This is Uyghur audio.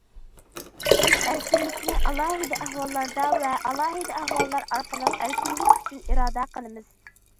بىز ئەركىنلىكنى ئالاھىدە ئەھۋاللاردا ۋە ئالاھىدە ئەھۋاللار ئارقىلىق ئەركىنلىك ئۈچۈن ئىرادە قىلىمىز.